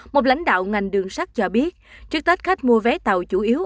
một lãnh đạo ngành đường sắt cho biết trước tết khách mua vé tàu chủ yếu